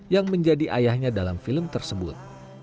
yang menjadi ayahnya dalam film tersebut